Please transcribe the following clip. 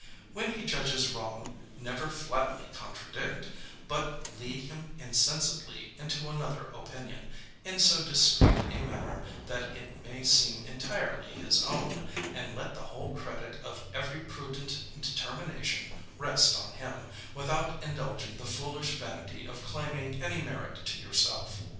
When he judges wrong, never flatly contradict, but lead him insensibly into another opinion, in so discreet a manner, that it may seem entirely his own, and let the whole credit of every prudent determination rest on him, without indulging the foolish vanity of claiming any merit to yourself.